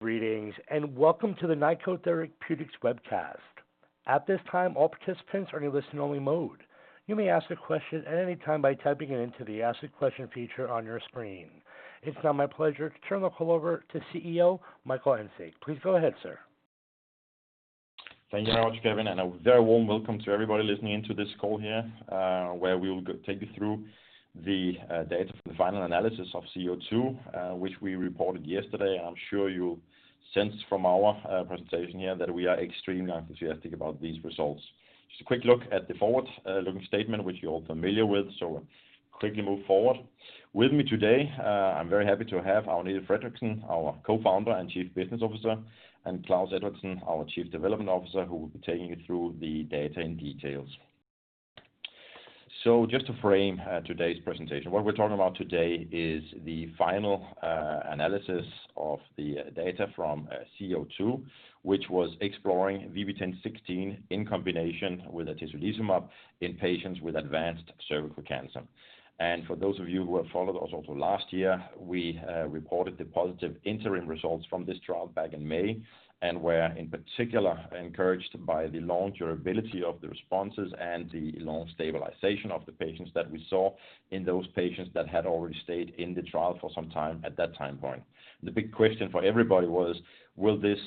Greetings, welcome to the Nykode Therapeutics webcast. At this time, all participants are in a listen only mode. You may ask a question at any time by typing it into the ask a question feature on your screen. It's now my pleasure to turn the call over to CEO Michael Engsig. Please go ahead, sir. Thank you very much, Kevin, and a very warm welcome to everybody listening in to this call here, where we will take you through the data for the final analysis of C-02, which we reported yesterday. I'm sure you sensed from our presentation here that we are extremely enthusiastic about these results. Just a quick look at the forward looking statement, which you're all familiar with. Quickly move forward. With me today, I'm very happy to have Agnete Fredriksen, our Co-founder and Chief Business Officer, and Klaus Edvardsen, our Chief Development Officer, who will be taking you through the data in details. Just to frame today's presentation, what we're talking about today is the final analysis of the data from C-02, which was exploring VB10.16 in combination with atezolizumab in patients with advanced cervical cancer. For those of you who have followed us also last year, we reported the positive interim results from this trial back in May and were, in particular, encouraged by the long durability of the responses and the long stabilization of the patients that we saw in those patients that had already stayed in the trial for some time at that time point. The big question for everybody was, will this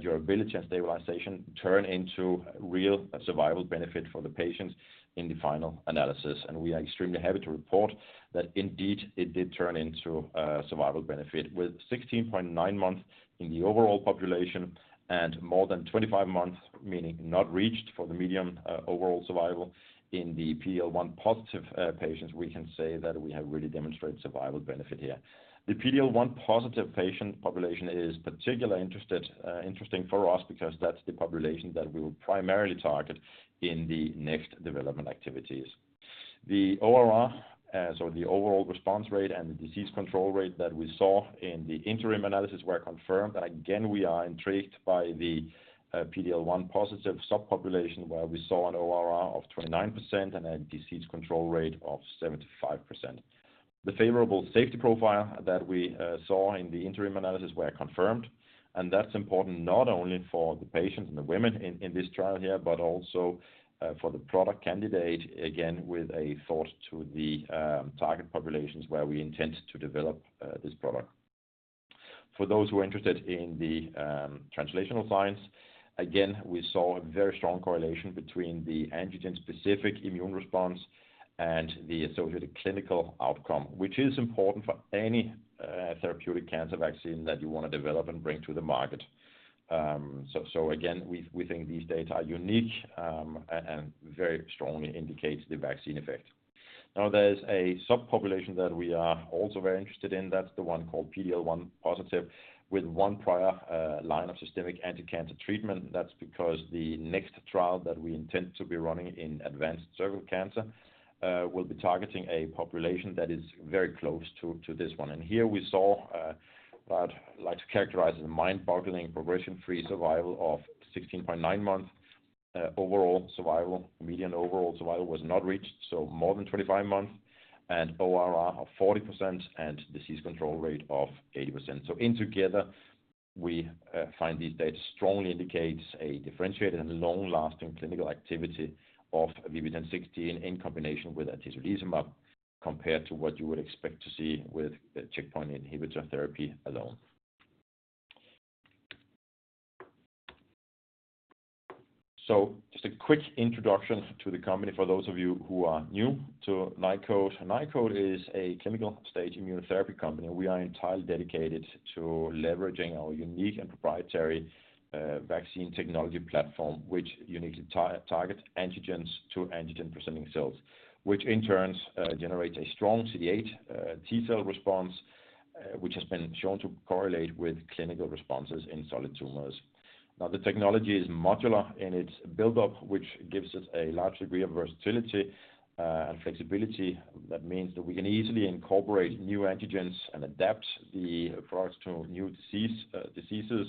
durability and stabilization turn into real survival benefit for the patients in the final analysis? We are extremely happy to report that indeed, it did turn into a survival benefit. With 16.9 months in the overall population and more than 25 months, meaning not reached for the median overall survival in the PD-L1 positive patients, we can say that we have really demonstrated survival benefit here. The PD-L1 positive patient population is particularly interesting for us because that's the population that we will primarily target in the next development activities. The ORR, so the overall response rate and the disease control rate that we saw in the interim analysis were confirmed. Again, we are intrigued by the PD-L1 positive subpopulation, where we saw an ORR of 29% and a disease control rate of 75%. The favorable safety profile that we saw in the interim analysis were confirmed, and that's important not only for the patients and the women in this trial here, but also for the product candidate, again, with a thought to the target populations where we intend to develop this product. For those who are interested in the translational science, again, we saw a very strong correlation between the antigen-specific immune response and the associated clinical outcome, which is important for any therapeutic cancer vaccine that you want to develop and bring to the market. Again, we think these data are unique and very strongly indicates the vaccine effect. Now, there's a subpopulation that we are also very interested in. That's the one called PD-L1 positive with one prior line of systemic anticancer treatment. That's because the next trial that we intend to be running in advanced cervical cancer will be targeting a population that is very close to this one. Here we saw what I'd like to characterize as a mind-boggling progression-free survival of 16.9 months. Overall survival, median overall survival was not reached, more than 25 months and ORR of 40% and disease control rate of 80%. In together, we find these data strongly indicates a differentiated and long-lasting clinical activity of VB10.16 in combination with atezolizumab compared to what you would expect to see with a checkpoint inhibitor therapy alone. Just a quick introduction to the company for those of you who are new to Nykode. Nykode is a clinical stage immunotherapy company. We are entirely dedicated to leveraging our unique and proprietary vaccine technology platform, which uniquely targets antigens to antigen-presenting cells, which in turn, generates a strong CD8 T cell response, which has been shown to correlate with clinical responses in solid tumors. The technology is modular in its build-up, which gives us a large degree of versatility and flexibility. That means that we can easily incorporate new antigens and adapt the products to new diseases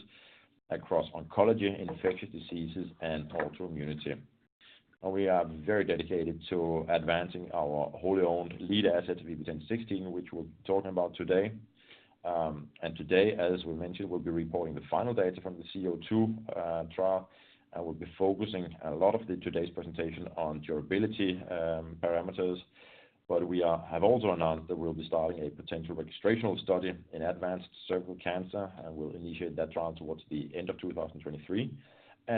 across oncology, infectious diseases and autoimmunity. We are very dedicated to advancing our wholly owned lead asset, VB10.16, which we'll be talking about today. Today, as we mentioned, we'll be reporting the final data from the C-02 trial, and we'll be focusing a lot of the today's presentation on durability parameters. We have also announced that we'll be starting a potential registrational study in advanced cervical cancer, and we'll initiate that trial towards the end of 2023.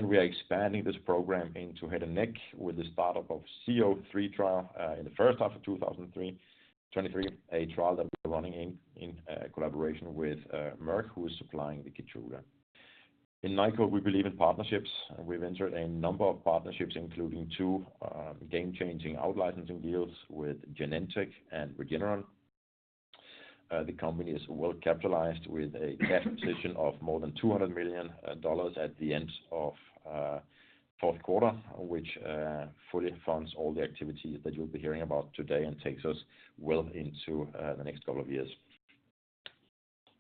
We are expanding this program into head and neck with the start of C-03 trial in the first half of 2023, a trial that we're running in collaboration with Merck, who is supplying the KEYTRUDA. In Nykode, we believe in partnerships. We've entered a number of partnerships, including two game-changing out-licensing deals with Genentech and Regeneron. The company is well capitalized with a cash position of more than $200 million at the end of fourth quarter, which fully funds all the activities that you'll be hearing about today and takes us well into the next couple of years.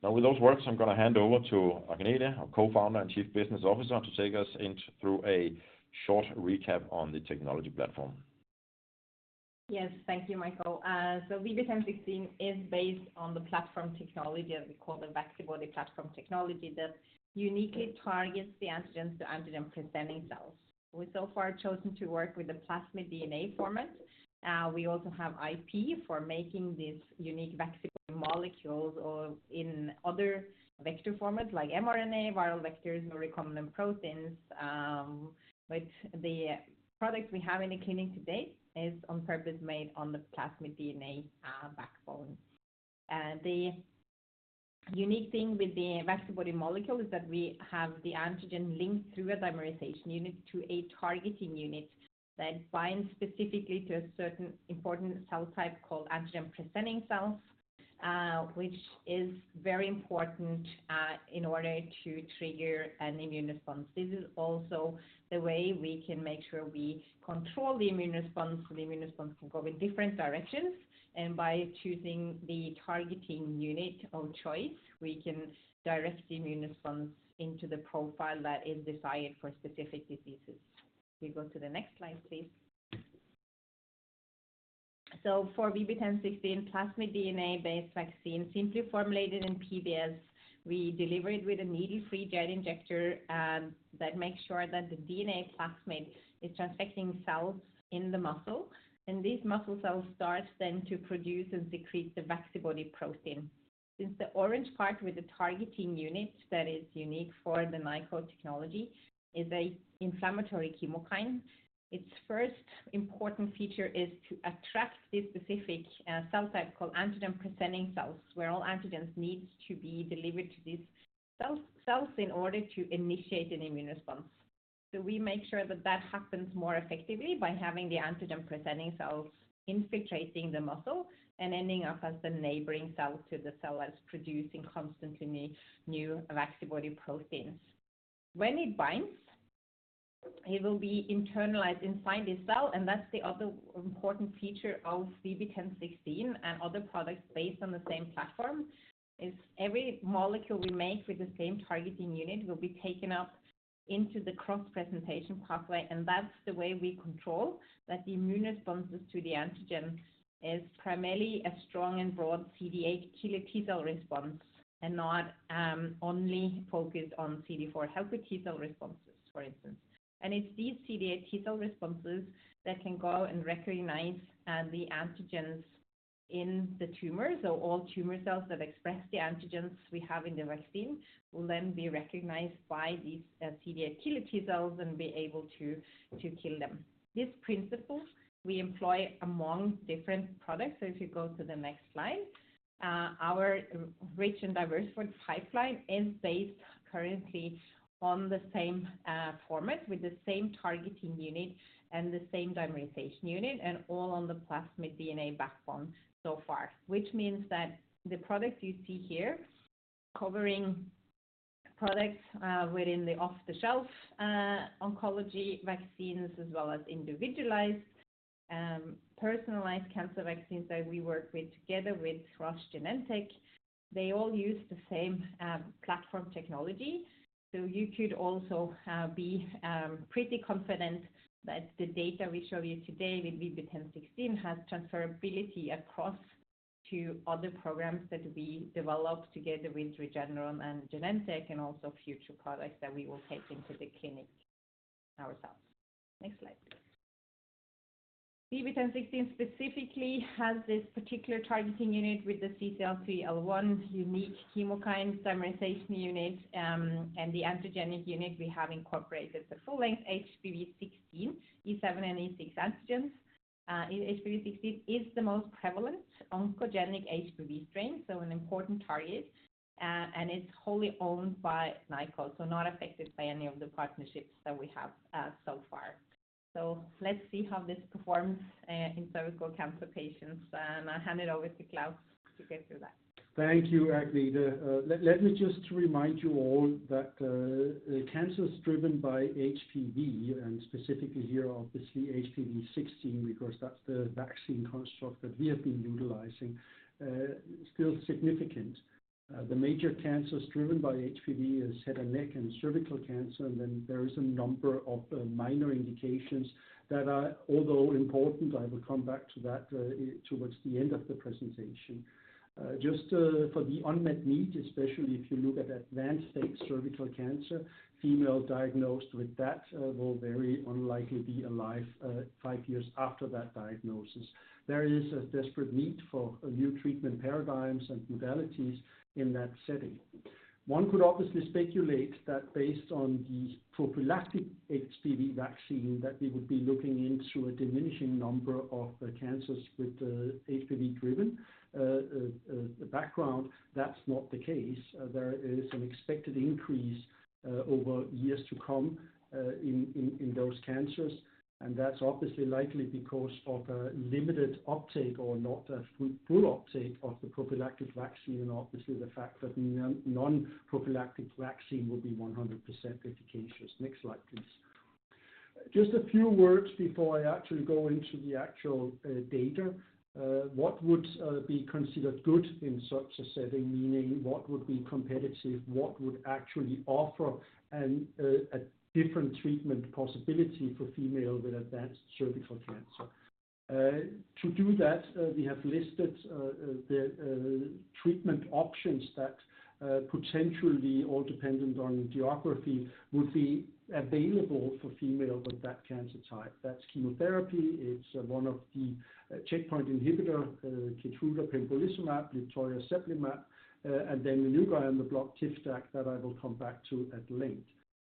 With those words, I'm going to hand over to Agnete, our Co-founder and Chief Business Officer, to take us in through a short recap on the technology platform. Yes. Thank you, Michael. VB10.16 is based on the platform technology that we call the Vaccibody platform technology that uniquely targets the antigens to antigen presenting cells. We've so far chosen to work with the plasmid DNA format. We also have IP for making these unique Vaccibody molecules or in other vector formats like mRNA, viral vectors or recombinant proteins. The products we have in the clinic today is on purpose made on the plasmid DNA backbone. The unique thing with the Vaccibody molecule is that we have the antigen linked through a dimerization unit to a targeting unit that binds specifically to a certain important cell type called antigen presenting cells, which is very important in order to trigger an immune response. This is also the way we can make sure we control the immune response. The immune response can go in different directions, and by choosing the targeting unit of choice, we can direct the immune response into the profile that is desired for specific diseases. Can we go to the next slide, please? For VB10.16 plasmid DNA-based vaccine, simply formulated in PBS, we deliver it with a needle-free jet injector, that makes sure that the DNA plasmid is transfecting cells in the muscle, and these muscle cells start then to produce and secrete the Vaccibody protein. Since the orange part with the targeting unit that is unique for the Nykode technology is a inflammatory chemokine, its first important feature is to attract this specific cell type called antigen presenting cells, where all antigens needs to be delivered to these cells in order to initiate an immune response. We make sure that that happens more effectively by having the antigen presenting cells infiltrating the muscle and ending up as the neighboring cell to the cell that's producing constantly new Vaccibody proteins. When it binds, it will be internalized inside the cell, and that's the other important feature of VB10.16 and other products based on the same platform is every molecule we make with the same targeting unit will be taken up into the cross-presentation pathway. That's the way we control that the immune responses to the antigen is primarily a strong and broad CD8 T cell response and not only focused on CD4 helper T cell responses, for instance. It's these CD8 T cell responses that can go and recognize the antigens in the tumor. All tumor cells that express the antigens we have in the vaccine will then be recognized by these CD8 T cells and be able to kill them. This principle we employ among different products. If you go to the next slide. Our rich and diverse product pipeline is based currently on the same format with the same targeting unit and the same dimerization unit and all on the plasmid DNA backbone so far, which means that the products you see here covering products within the off-the-shelf oncology vaccines as well as individualized personalized cancer vaccines that we work with together with Roche Genentech, they all use the same platform technology. You could also be pretty confident that the data we show you today with VB10.16 has transferability across to other programs that we develop together with Regeneron and Genentech and also future products that we will take into the clinic ourselves. Next slide, please. VB10.16 specifically has this particular targeting unit with the CCL3L1 unique chemokine dimerization unit. And the antigenic unit we have incorporated the full length HPV16 E7 and E6 antigens. HPV16 is the most prevalent oncogenic HPV strain, so an important target, and it's wholly owned by Nykode, so not affected by any of the partnerships that we have so far. Let's see how this performs in cervical cancer patients, and I hand it over to Klaus to get through that. Thank you, Agnete. Let me just remind you all that cancers driven by HPV and specifically here obviously HPV16, because that's the vaccine construct that we have been utilizing, still significant. The major cancers driven by HPV is head and neck and cervical cancer, and then there is a number of minor indications that are, although important, I will come back to that towards the end of the presentation. Just for the unmet need, especially if you look at advanced stage cervical cancer, female diagnosed with that will very unlikely be alive five years after that diagnosis. There is a desperate need for new treatment paradigms and modalities in that setting. One could obviously speculate that based on the prophylactic HPV vaccine, that we would be looking into a diminishing number of cancers with the HPV driven background. That's not the case. There is an expected increase over years to come in those cancers, and that's obviously likely because of a limited uptake or not a full uptake of the prophylactic vaccine and obviously the fact that non-prophylactic vaccine will be 100% efficacious. Next slide, please. Just a few words before I actually go into the actual data. What would be considered good in such a setting? Meaning what would be competitive, what would actually offer an a different treatment possibility for female with advanced cervical cancer? To do that, we have listed the treatment options that potentially all dependent on geography would be available for female with that cancer type. That's chemotherapy. It's one of the checkpoint inhibitor, KEYTRUDA pembrolizumab, nivolumab, ipilimumab, and then the new guy on the block, TIVDAK, that I will come back to at length.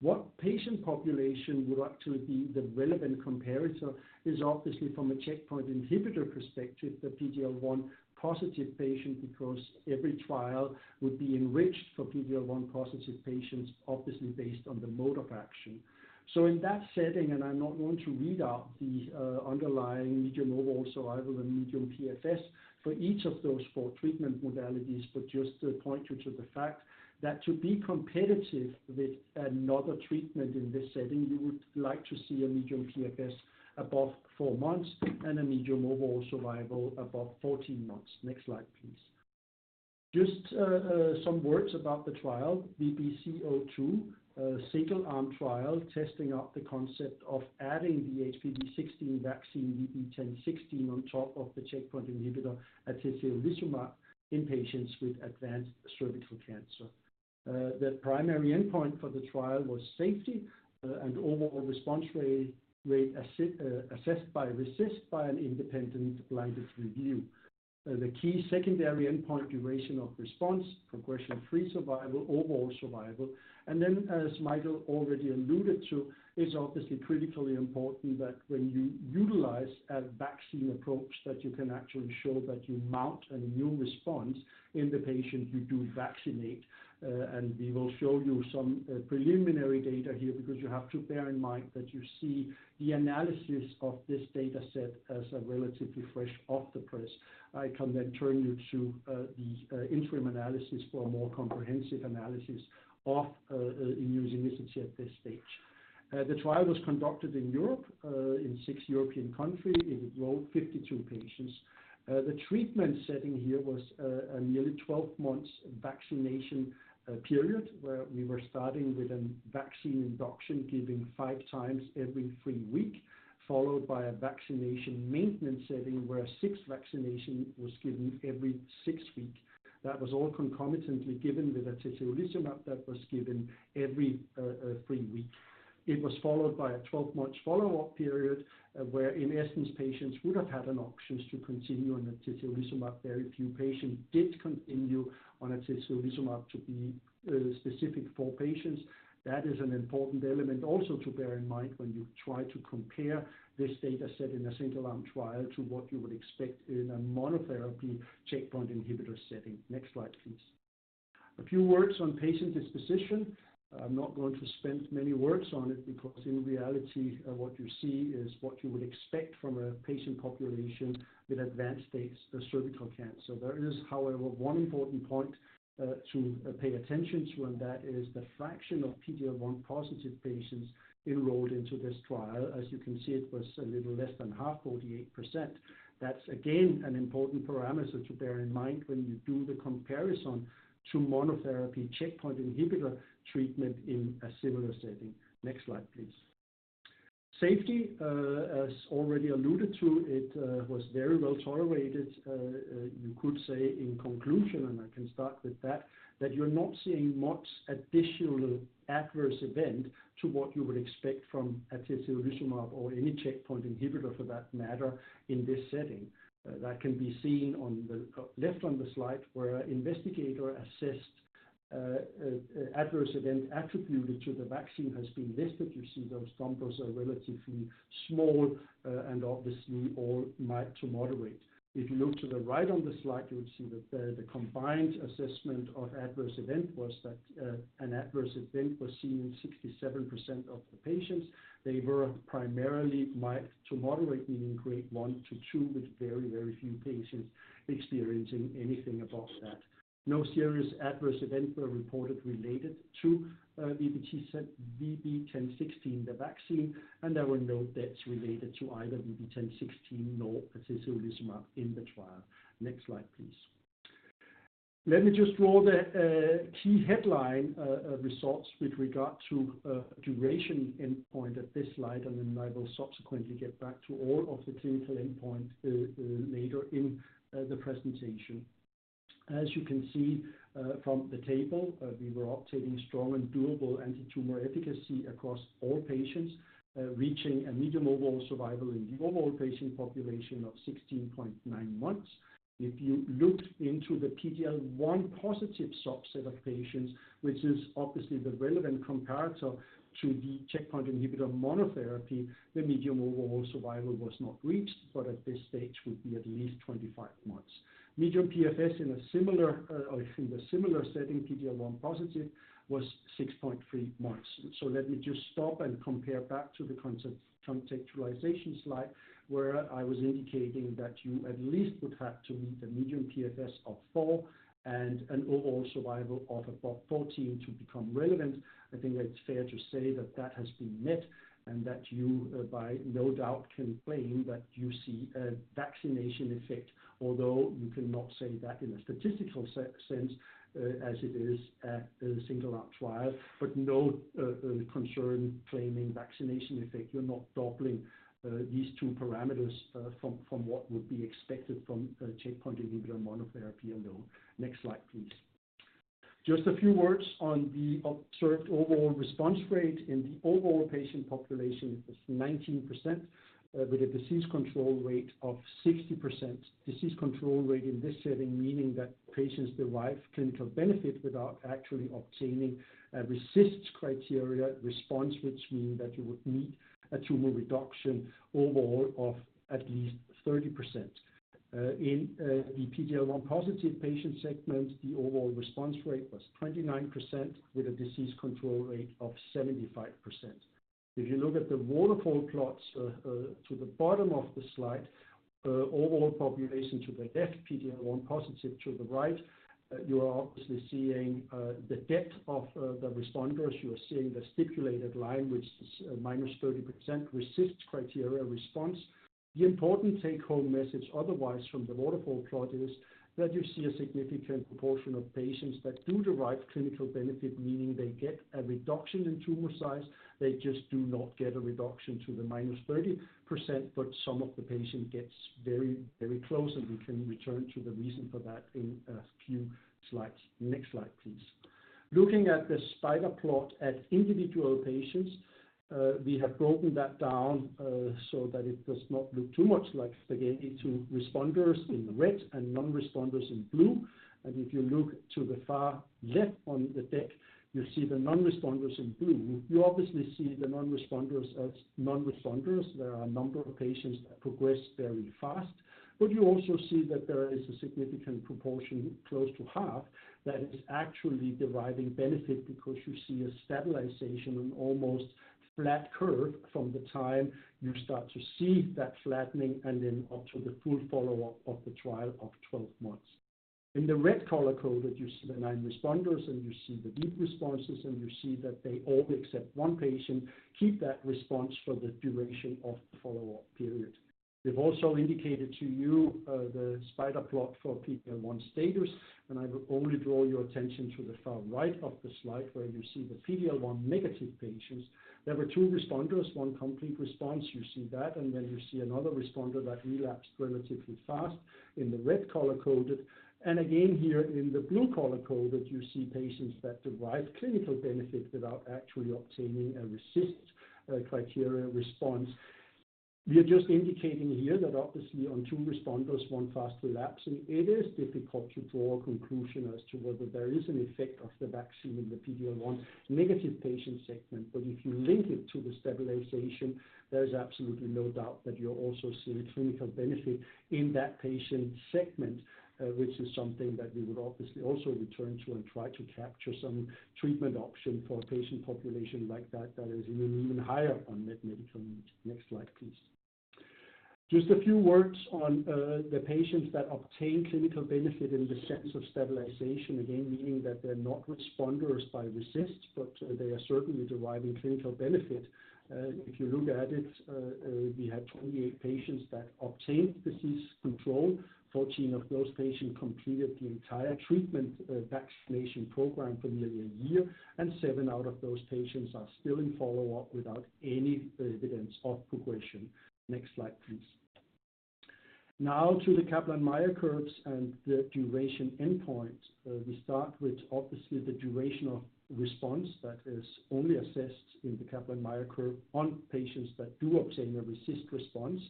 What patient population will actually be the relevant comparator is obviously from a checkpoint inhibitor perspective, the PD-L1 positive patient, because every trial would be enriched for PD-L1 positive patients, obviously based on the mode of action. In that setting, I'm not going to read out the underlying median overall survival and median PFS for each of those four treatment modalities, but just to point you to the fact that to be competitive with another treatment in this setting, you would like to see a median PFS above four months and a median overall survival above 14 months. Next slide, please. Just some words about the trial VB-C-02, single arm trial, testing out the concept of adding the HPV16 vaccine VB10.16 on top of the checkpoint inhibitor atezolizumab in patients with advanced cervical cancer. The primary endpoint for the trial was safety and overall response rate assessed by RECIST by an independent blinded review. The key secondary endpoint, duration of response, progression-free survival, overall survival. As Michael already alluded to, it's obviously critically important that when you utilize a vaccine approach that you can actually show that you mount a new response in the patient you do vaccinate. We will show you some preliminary data here because you have to bear in mind that you see the analysis of this data set as a relatively fresh off the press. I can then turn you to the interim analysis for a more comprehensive analysis of immunogenicity at this stage. The trial was conducted in Europe, in six European country. It enrolled 52 patients. The treatment setting here was a nearly 12 months vaccination period where we were starting with a vaccine induction, giving five times every three week, followed by a vaccination maintenance setting where six vaccination was given every six week. That was all concomitantly given with atezolizumab that was given every three week. It was followed by a 12-month follow-up period where in essence, patients would have had an option to continue on atezolizumab. Very few patients did continue on atezolizumab to be specific for patients. That is an important element also to bear in mind when you try to compare this data set in a single arm trial to what you would expect in a monotherapy checkpoint inhibitor setting. Next slide, please. A few words on patient disposition. I'm not going to spend many words on it because in reality, what you see is what you would expect from a patient population with advanced stage cervical cancer. There is, however, one important point to pay attention to, and that is the fraction of PD-L1 positive patients enrolled into this trial. As you can see, it was a little less than half, 48%. That's again, an important parameter to bear in mind when you do the comparison to monotherapy checkpoint inhibitor treatment in a similar setting. Next slide, please. Safety, as already alluded to, it was very well tolerated. You could say in conclusion, and I can start with that you're not seeing much additional adverse event to what you would expect from atezolizumab or any checkpoint inhibitor for that matter in this setting. That can be seen on the left on the slide, where investigator assessed adverse event attributed to the vaccine has been listed. You see those numbers are relatively small, and obviously all mild to moderate. If you look to the right on the slide, you would see that the combined assessment of adverse event was that an adverse event was seen in 67% of the patients. They were primarily mild to moderate, meaning grade one to two, with very, very few patients experiencing anything above that. No serious adverse events were reported related to VB10.16, the vaccine, and there were no deaths related to either VB10.16 nor atezolizumab in the trial. Next slide, please. Let me just draw the key headline results with regard to duration endpoint at this slide, and then I will subsequently get back to all of the clinical endpoint later in the presentation. As you can see, from the table, we were obtaining strong and durable antitumor efficacy across all patients, reaching a median overall survival in the overall patient population of 16.9 months. If you look into the PD-L1 positive subset of patients, which is obviously the relevant comparator to the checkpoint inhibitor monotherapy, the median overall survival was not reached, but at this stage would be at least 25 months. Median PFS in a similar, in a similar setting, PD-L1 positive was 6.3 months. Let me just stop and compare back to the concept contextualization slide, where I was indicating that you at least would have to meet the median PFS of four and an overall survival of above 14 to become relevant. I think it's fair to say that that has been met, and that you, by no doubt can claim that you see a vaccination effect, although you cannot say that in a statistical sense, as it is a single arm trial. No concern claiming vaccination effect. You're not doubling, these two parameters, from what would be expected from a checkpoint inhibitor monotherapy alone. Next slide, please. Just a few words on the observed overall response rate. In the overall patient population, it was 19%, with a disease control rate of 60%. Disease control rate in this setting, meaning that patients derive clinical benefit without actually obtaining a RECIST criteria response, which mean that you would need a tumor reduction overall of at least 30%. In the PD-L1 positive patient segment, the overall response rate was 29% with a disease control rate of 75%. If you look at the waterfall plots to the bottom of the slide, overall population to the left, PD-L1 positive to the right, you are obviously seeing the depth of the responders. You are seeing the stipulated line, which is -30% RECIST criteria response. The important take-home message otherwise from the waterfall plot is that you see a significant proportion of patients that do derive clinical benefit, meaning they get a reduction in tumor size. They just do not get a reduction to the -30%, but some of the patient gets very, very close, and we can return to the reason for that in a few slides. Next slide, please. Looking at the spider plot at individual patients, we have broken that down, so that it does not look too much like spaghetti to responders in red and non-responders in blue. If you look to the far left on the deck, you see the non-responders in blue. You obviously see the non-responders as non-responders. There are a number of patients that progress very fast. You also see that there is a significant proportion, close to half, that is actually deriving benefit because you see a stabilization, an almost flat curve from the time you start to see that flattening and then up to the full follow-up of the trial of 12 months. In the red color code, you see the nine responders, and you see the deep responses, and you see that they all accept one patient, keep that response for the duration of the follow-up period. We've also indicated to you, the spider plot for PD-L1 status, and I will only draw your attention to the far right of the slide, where you see the PD-L1 negative patients. There were two responders, one complete response. You see that, and then you see another responder that relapsed relatively fast in the red color coded. Again, here in the blue color coded, you see patients that derive clinical benefit without actually obtaining a RECIST criteria response. We are just indicating here that obviously on two responders, one fast relapse. It is difficult to draw a conclusion as to whether there is an effect of the vaccine in the PD-L1 negative patient segment. If you link it to the stabilization, there is absolutely no doubt that you're also seeing clinical benefit in that patient segment, which is something that we would obviously also return to and try to capture some treatment option for a patient population like that is even higher unmet medical need. Next slide, please. Just a few words on the patients that obtain clinical benefit in the sense of stabilization, again, meaning that they're not responders by RECIST, but they are certainly deriving clinical benefit. If you look at it, we had 28 patients that obtained disease control. 14 of those patients completed the entire treatment, vaccination program for nearly a year, and seven out of those patients are still in follow-up without any evidence of progression. Next slide, please. Now to the Kaplan-Meier curves and the duration endpoint. We start with obviously the durational response that is only assessed in the Kaplan-Meier curve on patients that do obtain a RECIST response,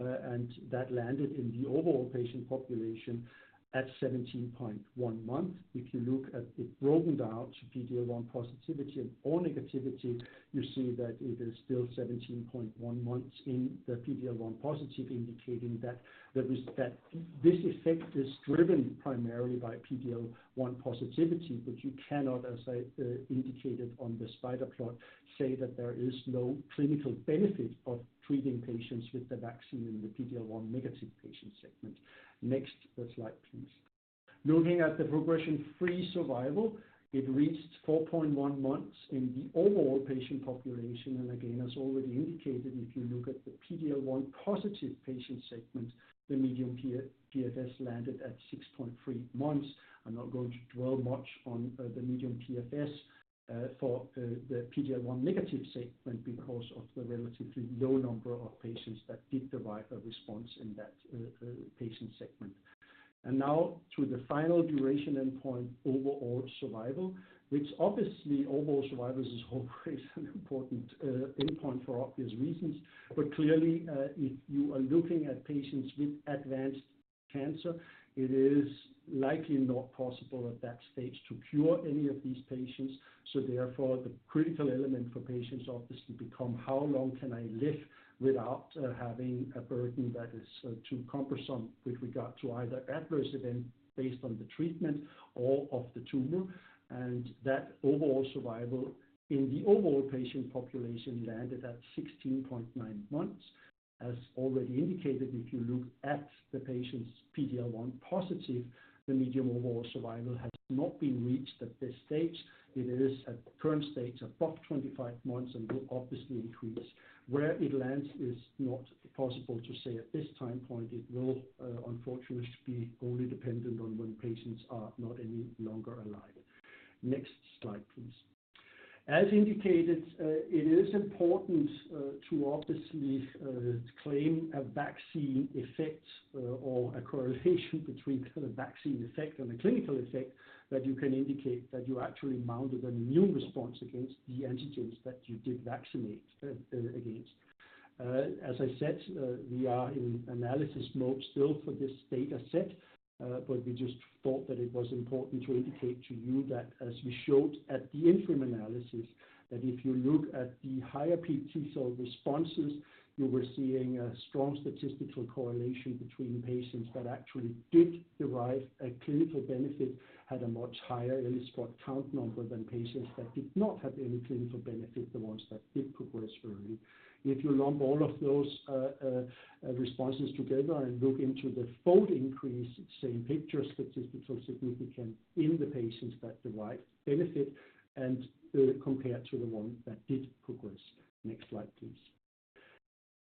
and that landed in the overall patient population at 17.1 months. If you look at it broken down to PD-L1 positivity or negativity, you see that it is still 17.1 months in the PD-L1 positive, indicating that this effect is driven primarily by PD-L1 positivity, but you cannot, as I indicated on the spider plot, say that there is no clinical benefit of treating patients with the vaccine in the PD-L1 negative patient segment. Next slide, please. Looking at the progression-free survival, it reached 4.1 months in the overall patient population. Again, as already indicated, if you look at the PD-L1 positive patient segment, the median PFS landed at 6.3 months. I'm not going to dwell much on the median PFS for the PD-L1 negative segment because of the relatively low number of patients that did derive a response in that patient segment. Now to the final duration endpoint, overall survival, which obviously overall survival is always an important endpoint for obvious reasons. Clearly, if you are looking at patients with advanced cancer, it is likely not possible at that stage to cure any of these patients. Therefore, the critical element for patients obviously become how long can I live without having a burden that is too cumbersome with regard to either adverse event based on the treatment or of the tumor. That overall survival in the overall patient population landed at 16.9 months. As already indicated, if you look at the patients PD-L1 positive, the median overall survival has not been reached at this stage. It is at the current stage, above 25 months, and will obviously increase. Where it lands is not possible to say at this time point. It will unfortunately be only dependent on when patients are not any longer alive. Next slide, please. As indicated, it is important to obviously claim a vaccine effect, or a correlation between the vaccine effect and the clinical effect that you can indicate that you actually mounted an immune response against the antigens that you did vaccinate against. As I said, we are in analysis mode still for this data set, but we just thought that it was important to indicate to you that as we showed at the interim analysis, that if you look at the higher T cell responses, you were seeing a strong statistical correlation between patients that actually did derive a clinical benefit, had a much higher ELISpot count number than patients that did not have any clinical benefit, the ones that did progress early. If you lump all of those responses together and look into the fold increase, same picture, statistical significant in the patients that derive benefit compared to the one that did progress. Next slide, please.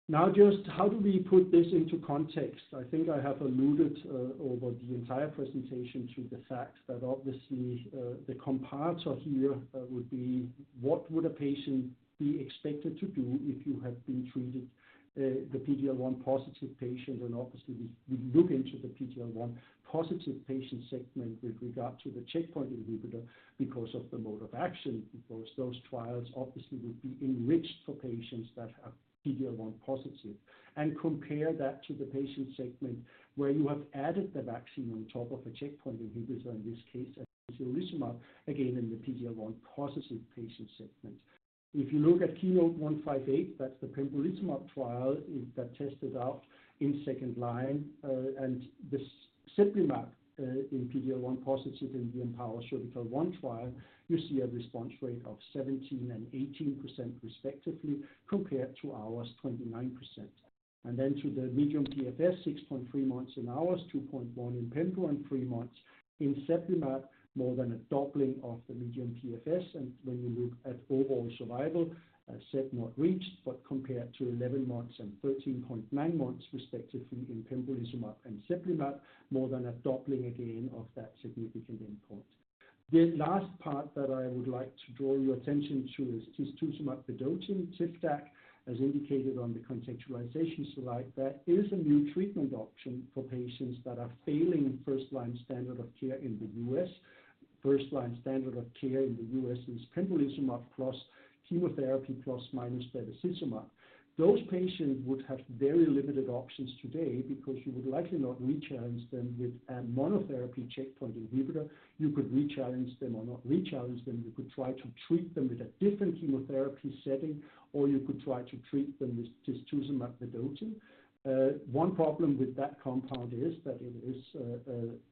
Now, just how do we put this into context? I think I have alluded over the entire presentation to the fact that obviously, the comparator here would be what would a patient be expected to do if you had been treated, the PD-L1 positive patient? Obviously, we look into the PD-L1 positive patient segment with regard to the checkpoint inhibitor because of the mode of action, because those trials obviously would be enriched for patients that are PD-L1 positive. Compare that to the patient segment where you have added the vaccine on top of a checkpoint inhibitor, in this case a pembrolizumab, again, in the PD-L1 positive patient segment. If you look at KEYNOTE-158, that's the pembrolizumab trial that tested out in second line, and the cemiplimab in PD-L1 positive in the EMPOWER-Cervical 1 trial, you see a response rate of 17% and 18% respectively, compared to ours, 29%. Then to the median PFS, 6.3 months in ours, 2.1 in pembro, and three months in cemiplimab, more than a doubling of the median PFS. When you look at overall survival, set not reached, but compared to 11 months and 13.9 months respectively in pembrolizumab and cemiplimab, more than a doubling again of that significant endpoint. The last part that I would like to draw your attention to is tisotumab vedotin, TIVDAK, as indicated on the contextualization slide. That is a new treatment option for patients that are failing first-line standard of care in the U.S. First-line standard of care in the U.S. is pembrolizumab plus chemotherapy plus minus bevacizumab. Those patients would have very limited options today because you would likely not re-challenge them with a monotherapy checkpoint inhibitor. You could re-challenge them or not re-challenge them. You could try to treat them with a different chemotherapy setting, or you could try to treat them with tisotumab vedotin. One problem with that compound is that it is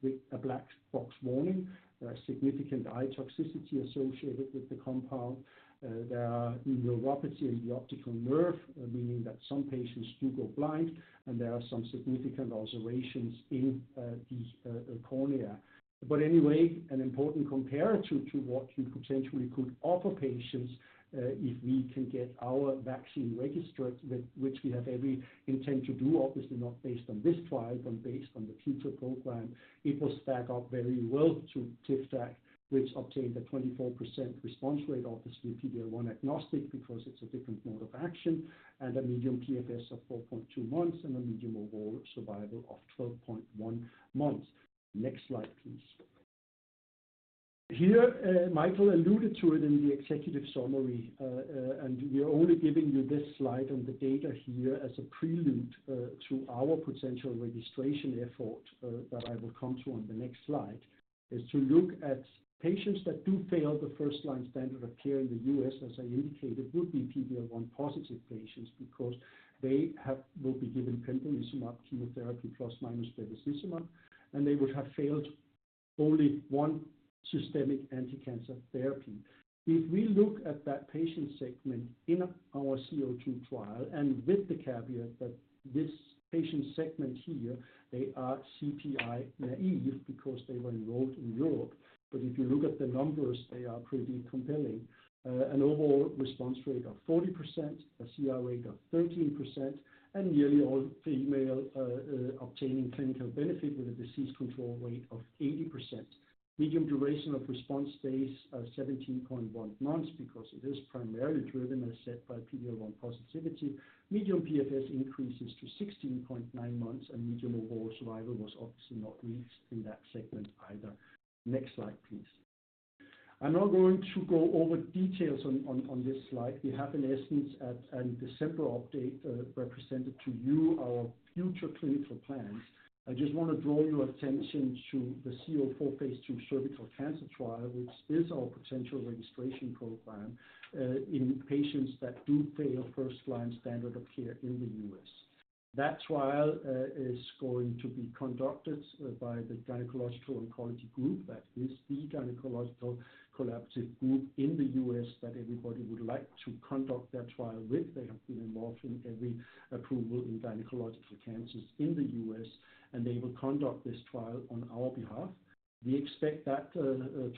with a black box warning. There are significant eye toxicity associated with the compound. There are neuropathy in the optical nerve, meaning that some patients do go blind, and there are some significant ulcerations in the cornea. Anyway, an important comparator to what you potentially could offer patients, if we can get our vaccine registered, which we have every intent to do, obviously not based on this trial, but based on the future program, it will stack up very well to TIVDAK, which obtained a 24% response rate, obviously PD-L1 agnostic because it's a different mode of action, and a median PFS of 4.2 months and a median overall survival of 12.1 months. Next slide, please. Here, Michael alluded to it in the executive summary. We are only giving you this slide and the data here as a prelude to our potential registration effort that I will come to on the next slide, is to look at patients that do fail the first line standard of care in the U.S., as I indicated, would be PD-L1 positive patients because they will be given pembrolizumab chemotherapy plus minus bevacizumab, and they would have failed only one systemic anticancer therapy. If we look at that patient segment in, our C-02 trial, and with the caveat that this patient segment here, they are CPI naive because they were enrolled in Europe. If you look at the numbers, they are pretty compelling. An overall response rate of 40%, a CR rate of 13%, and nearly all female obtaining clinical benefit with a disease control rate of 80%. Median duration of response stays at 17.1 months because it is primarily driven, as said, by PD-L1 positivity. Median PFS increases to 16.9 months, median overall survival was obviously not reached in that segment either. Next slide, please. I'm not going to go over details on this slide. We have in essence at the December update represented to you our future clinical plans. I just wanna draw your attention to the C-04 phase II cervical cancer trial, which is our potential registration program in patients that do fail first-line standard of care in the U.S. That trial is going to be conducted by the Gynecologic Oncology Group. That is the gynecologic collaborative group in the U.S. that everybody would like to conduct their trial with. They have been involved in every approval in gynecologic cancers in the U.S., and they will conduct this trial on our behalf. We expect that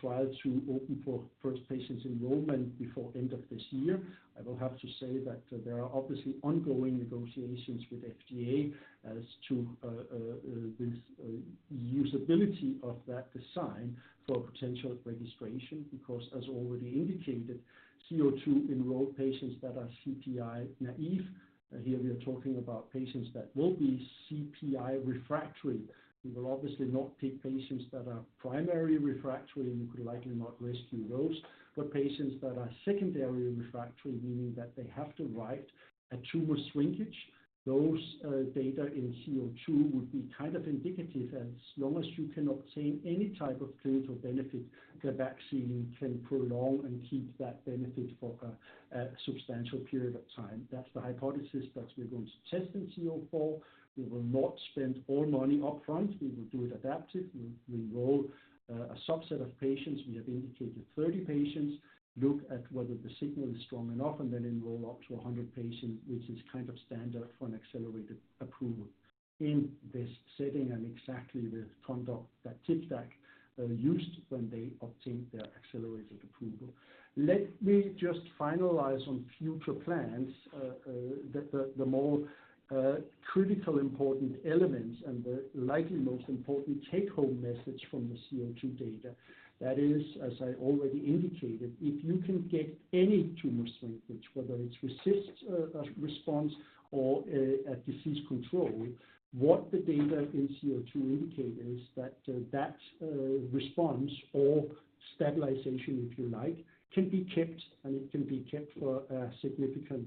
trial to open for first patients enrollment before end of this year. I will have to say that there are obviously ongoing negotiations with FDA as to this usability of that design for potential registration, because as already indicated, C-02 enrolled patients that are CPI naive. Here we are talking about patients that will be CPI refractory. We will obviously not take patients that are primary refractory, and you could likely not rescue those. Patients that are secondary refractory, meaning that they have to write a tumor shrinkage. Those data in C-02 would be kind of indicative as long as you can obtain any type of clinical benefit, the vaccine can prolong and keep that benefit for a substantial period of time. That's the hypothesis that we're going to test in VB-C-04. We will not spend all money upfront. We will do it adaptive. We enroll a subset of patients. We have indicated 30 patients, look at whether the signal is strong enough, and then enroll up to 100 patients, which is kind of standard for an accelerated approval in this setting, and exactly the conduct that TIVDAK used when they obtained their accelerated approval. Let me just finalize on future plans. The more critical important elements and the likely most important take-home message from the C-02 data. That is, as I already indicated, if you can get any tumor shrinkage, whether it's RECIST, a response or a disease control, what the data in C-02 indicate is that response or stabilization, if you like, can be kept, and it can be kept for a significant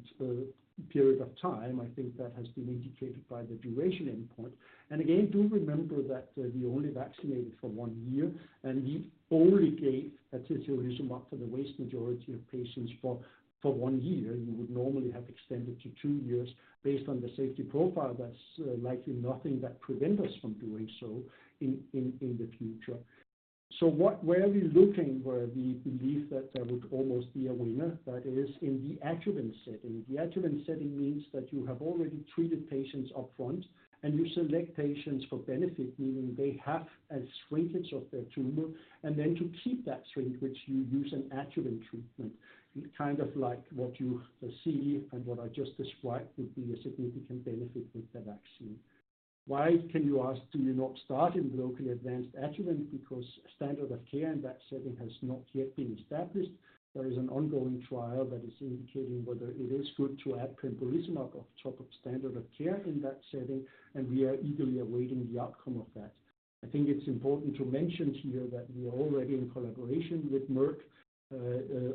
period of time. I think that has been indicated by the duration endpoint. And again, do remember that we only vaccinated for one year, and we only gave atezolizumab for the vast majority of patients for one year. You would normally have extended to two years based on the safety profile that's likely nothing that prevent us from doing so in the future. What... Where are we looking where we believe that there would almost be a winner? That is in the adjuvant setting. The adjuvant setting means that you have already treated patients upfront, and you select patients for benefit, meaning they have a shrinkage of their tumor, and then to keep that shrinkage, you use an adjuvant treatment. It's kind of like what you see and what I just described would be a significant benefit with the vaccine. Why, can you ask, do you not start in locally advanced adjuvant? Because standard of care in that setting has not yet been established. There is an ongoing trial that is indicating whether it is good to add pembrolizumab on top of standard of care in that setting, and we are eagerly awaiting the outcome of that. I think it's important to mention here that we are already in collaboration with Merck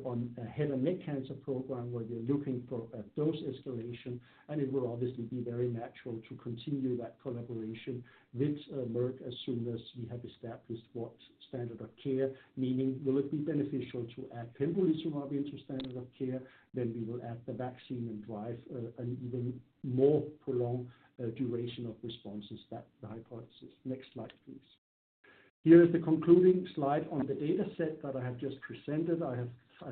on a head and neck cancer program where they're looking for a dose escalation, and it will obviously be very natural to continue that collaboration with Merck as soon as we have established what standard of care. Meaning, will it be beneficial to add pembrolizumab into standard of care, then we will add the vaccine and drive an even more prolonged duration of responses. That's the hypothesis. Next slide, please. Here is the concluding slide on the data set that I have just presented. I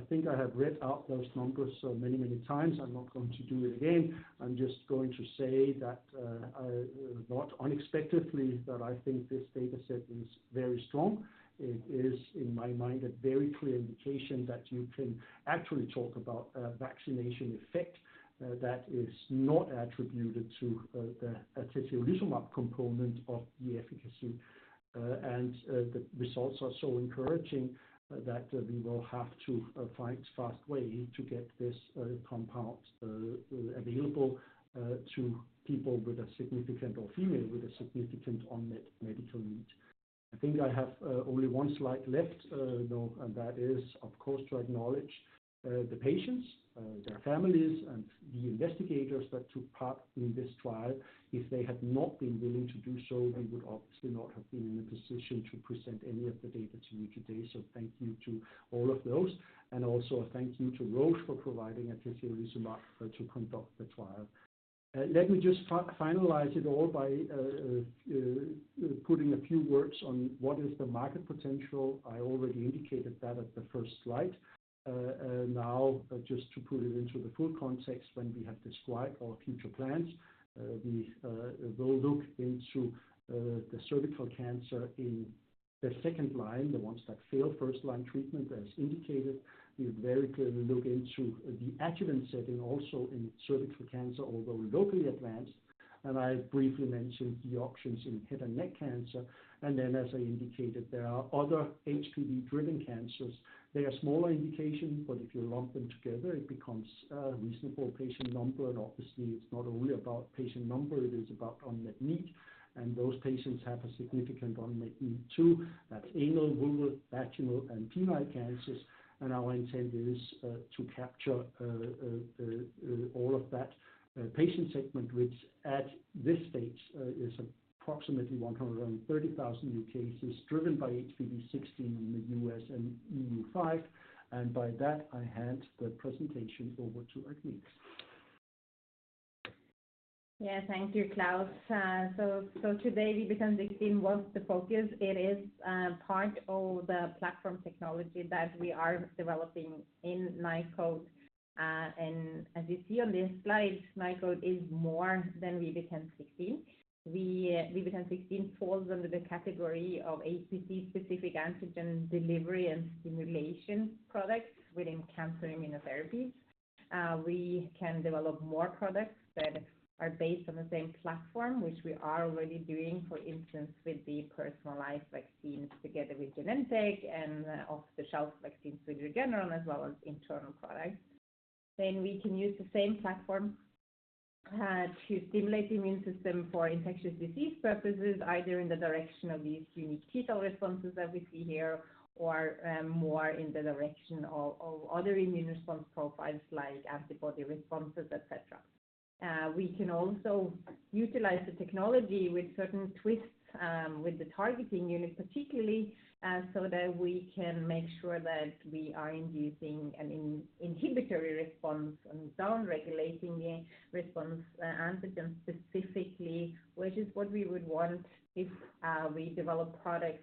think I have read out those numbers many, many times. I'm not going to do it again. I'm just going to say that not unexpectedly, that I think this data set is very strong. It is, in my mind, a very clear indication that you can actually talk about a vaccination effect that is not attributed to the atezolizumab component of the efficacy. The results are so encouraging that we will have to find fast way to get this compound available to people with a significant or female with a significant unmet medical need. I think I have only one slide left, though, and that is, of course, to acknowledge the patients, their families and the investigators that took part in this trial. If they had not been willing to do so, we would obviously not have been in a position to present any of the data to you today. Thank you to all of those. Also thank you to Roche for providing atezolizumab to conduct the trial. Let me just finalize it all by putting a few words on what is the market potential. I already indicated that at the first slide. Now just to put it into the full context when we have described our future plans, we will look into the cervical cancer in the second line, the ones that fail first line treatment as indicated. We very clearly look into the adjuvant setting also in cervical cancer, although locally advanced. I briefly mentioned the options in head and neck cancer. As I indicated, there are other HPV-driven cancers. They are smaller indications, but if you lump them together it becomes a reasonable patient number. Obviously it's not only about patient number, it is about unmet need. Those patients have a significant unmet need too. That's anal, vulvar, vaginal, and penile cancers. Our intent is to capture all of that patient segment, which at this stage is approximately 130,000 new cases driven by HPV16 in the U.S. and EU5. By that, I hand the presentation over to Agnete. Yeah. Thank you, Klaus. So today VB10.16 was the focus. It is part of the platform technology that we are developing in Nykode. As you see on this slide, Nykode is more than VB10.16. We VB10.16 falls under the category of HPV-specific antigen delivery and stimulation products within cancer immunotherapy. We can develop more products that are based on the same platform, which we are already doing, for instance, with the personalized vaccines together with Genentech and off-the-shelf vaccines with Regeneron, as well as internal products. We can use the same platform to stimulate the immune system for infectious disease purposes, either in the direction of these unique T cell responses that we see here, or more in the direction of other immune response profiles like antibody responses, et cetera. We can also utilize the technology with certain twists, with the targeting unit particularly, so that we can make sure that we are inducing an inhibitory response and down-regulating the response antigen specifically, which is what we would want if we develop products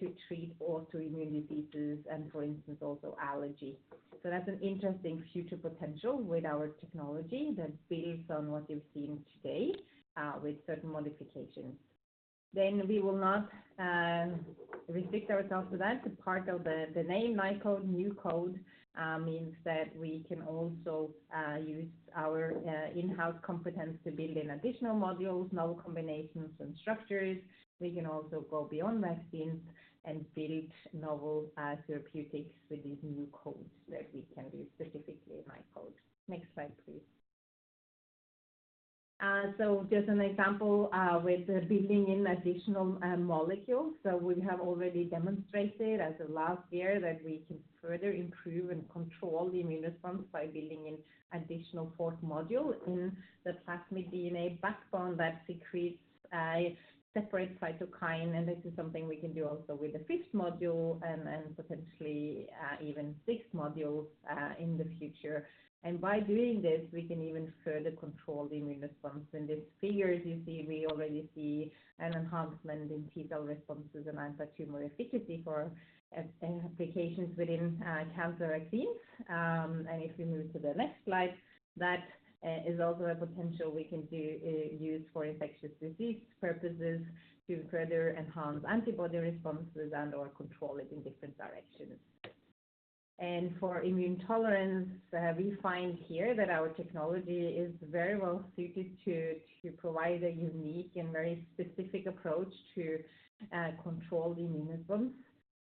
to treat autoimmune diseases and, for instance, also allergy. That's an interesting future potential with our technology that builds on what you've seen today, with certain modifications. We will not restrict ourselves to that. Part of the name Nykode, new code, means that we can also use our in-house competence to build in additional modules, novel combinations, and structures. We can also go beyond vaccines and build novel therapeutics with these new codes that we can do, specifically Nykode. Next slide, please. Just an example with building in additional molecules. We have already demonstrated as of last year that we can further improve and control the immune response by building an additional fourth module in the plasmid DNA backbone that secretes a separate cytokine. This is something we can do also with the fifth module and potentially even sixth module in the future. By doing this, we can even further control the immune response. In this figure, as you see, we already see an enhancement in T cell responses and antitumor efficacy for applications within cancer vaccines. If we move to the next slide, that is also a potential we can use for infectious disease purposes to further enhance antibody responses and/or control it in different directions. For immune tolerance, we find here that our technology is very well suited to provide a unique and very specific approach to control the immune response,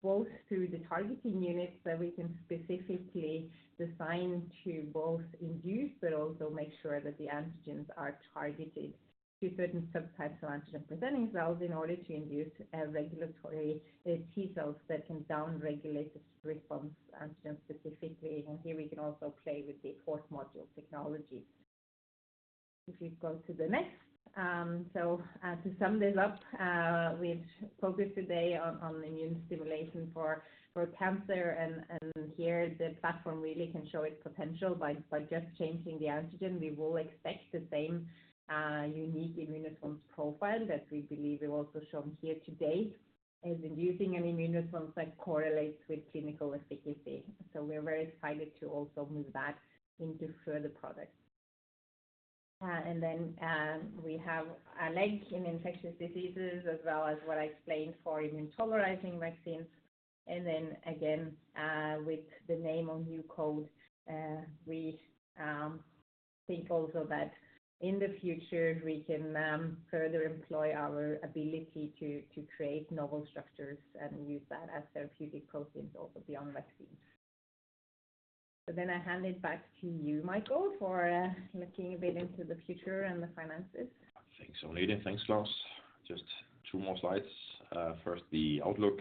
both through the targeting units that we can specifically design to both induce, but also make sure that the antigens are targeted to certain subtypes of antigen-presenting cells in order to induce regulatory T cells that can down-regulate this response antigen specifically. Here we can also play with the fourth module technology. If you go to the next. To sum this up, we've focused today on immune stimulation for cancer and here the platform really can show its potential by just changing the antigen. We will expect the same unique immune response profile that we believe we've also shown here today in inducing an immune response that correlates with clinical efficacy. We're very excited to also move that into further products. Then, we have a link in infectious diseases as well as what I explained for immune tolerizing vaccines. Then again, with the name of new code, we think also that in the future we can further employ our ability to create novel structures and use that as therapeutic proteins also beyond vaccines. I hand it back to you, Michael, for looking a bit into the future and the finances. Thanks, Agnete. Thanks, Klaus. Just two more slides. First the outlook.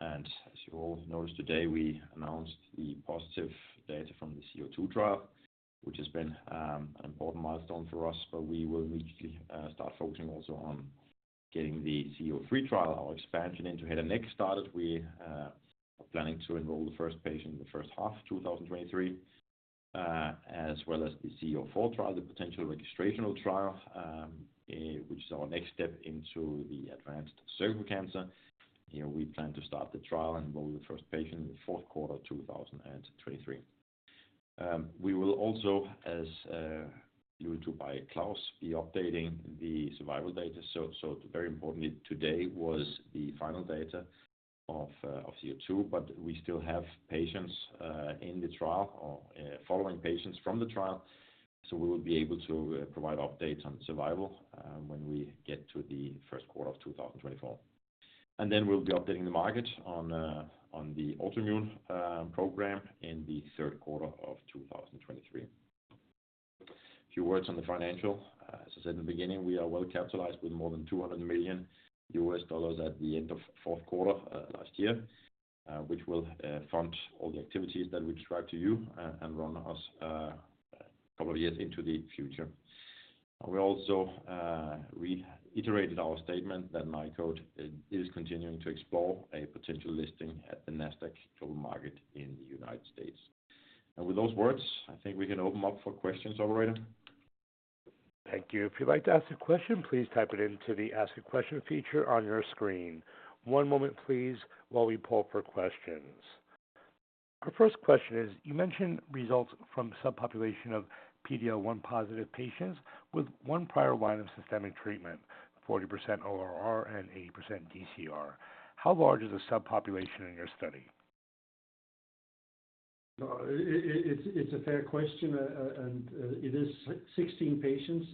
As you all noticed today, we announced the positive data from the C-02 trial, which has been an important milestone for us. We will immediately start focusing also on getting the C-03 trial, our expansion into head and neck, started. We are planning to enroll the first patient in the first half 2023. As well as the C-04 trial, the potential registrational trial, which is our next step into the advanced cervical cancer. Here we plan to start the trial and enroll the first patient in the fourth quarter 2023. We will also, as alluded to by Klaus, be updating the survival data. Very importantly today was the final data of C-02, but we still have patients in the trial or following patients from the trial. We will be able to provide updates on survival when we get to the first quarter of 2024. Then we'll be updating the market on the autoimmune program in the third quarter of 2023. A few words on the financial. As I said in the beginning, we are well capitalized with more than $200 million at the end of fourth quarter last year, which will fund all the activities that we described to you and run us a couple of years into the future. We also reiterated our statement that Nykode is continuing to explore a potential listing at the Nasdaq Global Market in the United States. With those words, I think we can open up for questions. Operator? Thank you. If you'd like to ask a question, please type it into the ask a question feature on your screen. One moment, please, while we pull for questions. Our first question is, you mentioned results from subpopulation of PD-L1 positive patients with one prior line of systemic treatment, 40% ORR and 80% DCR. How large is the subpopulation in your study? No, it's a fair question, and it is 16 patients.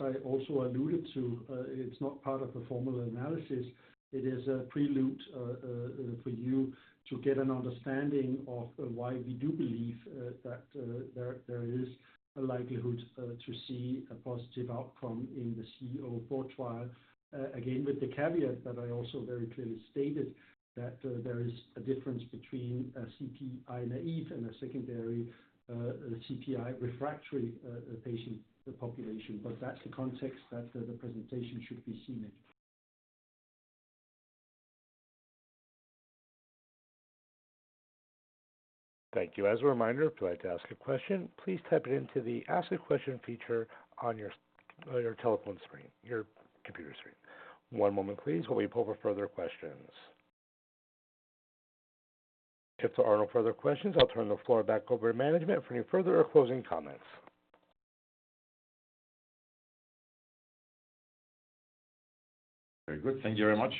I also alluded to, it's not part of the formal analysis. It is a prelude for you to get an understanding of why we do believe that there is a likelihood to see a positive outcome in the C-04 trial. Again, with the caveat that I also very clearly stated that there is a difference between a CPI naive and a secondary CPI refractory patient population. That's the context that the presentation should be seen in. Thank you. As a reminder, if you'd like to ask a question, please type it into the ask a question feature on your computer screen. One moment, please, while we pull for further questions. If there are no further questions, I'll turn the floor back over to management for any further closing comments. Very good. Thank you very much.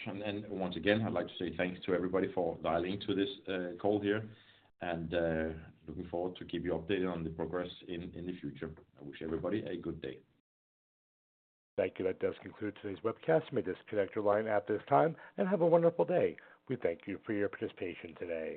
Once again, I'd like to say thanks to everybody for dialing to this call here, and looking forward to keep you updated on the progress in the future. I wish everybody a good day. Thank you. That does conclude today's webcast. You may disconnect your line at this time, and have a wonderful day. We thank you for your participation today.